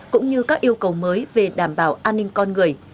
cũng như các yêu cầu mới về đảm bảo an ninh con người